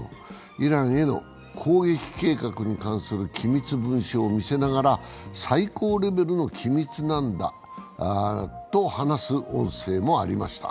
イランへの攻撃計画に関する機密文書を見せながら、最高レベルの機密なんだと話す音声もありました。